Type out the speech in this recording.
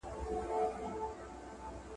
تیاره به ډېر ژر له منځه لاړه شي.